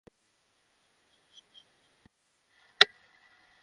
পরিবারের তিন সদস্যের দু জন শেষ, একজন বাকি।